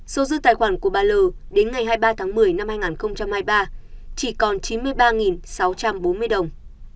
số dư tài khoản của bà l đến ngày hai mươi ba tháng một mươi năm hai nghìn hai mươi ba chỉ còn chín mươi ba sáu trăm bốn mươi đồng